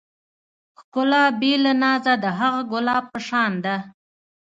ښکلا بې له نازه د هغه ګلاب په شان ده.